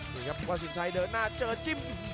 นี่ครับว่าสินชัยเดินหน้าเจอจิ้ม